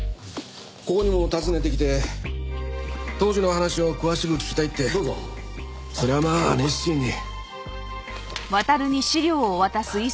ここにも訪ねてきて当時の話を詳しく聞きたいってそれはまあ熱心に。